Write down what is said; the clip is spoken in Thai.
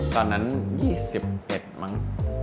ตอนนั้น๒๑มั้ง